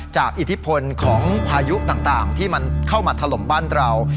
อิทธิพลของพายุต่างที่มันเข้ามาถล่มบ้านเรา